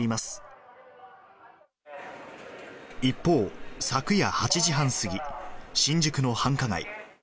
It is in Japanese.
一方、昨夜８時半過ぎ、新宿の繁華街。